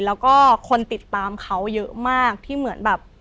แล้วก็คนติดตามเขาเยอะมากที่เหมือนแบบ